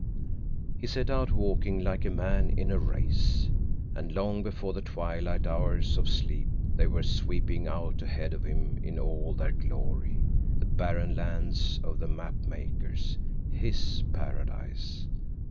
He set out, walking like a man in a race. And long before the twilight hours of sleep they were sweeping out ahead of him in all their glory—the Barren Lands of the map makers, his paradise.